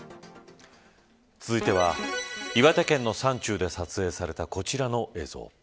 続いては岩手県の山中で撮影されたこちらの映像。